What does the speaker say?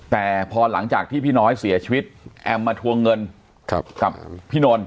แต่พอหลังจากที่พี่น้อยเสียชีวิตแอมมาทวงเงินกับพี่นนท์